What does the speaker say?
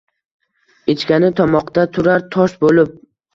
Ichgani tomoqda turar tosh bo’lib.